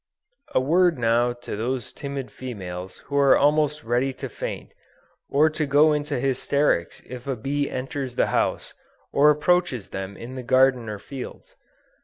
A word now to those timid females who are almost ready to faint, or to go into hysterics if a bee enters the house, or approaches them in the garden or fields.